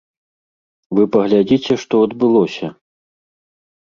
Вы паглядзіце, што адбылося.